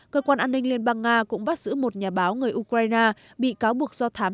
cơ quan an ninh liên bang nga cũng bắt giữ một nhà báo người ukraine bị cáo buộc do thám